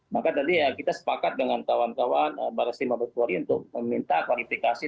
maka tadi ya kita sepakat dengan kawan kawan barat lima belas poli untuk meminta kualifikasi